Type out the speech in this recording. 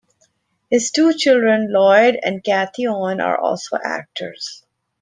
His two children, Lloyd and Cathy Owen, are also actors.